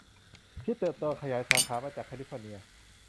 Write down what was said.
ที่เติบโตขยายสาขามาจากแคลิฟอร์เนีย